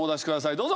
どうぞ。